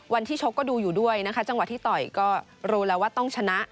ชกก็ดูอยู่ด้วยนะคะจังหวะที่ต่อยก็รู้แล้วว่าต้องชนะ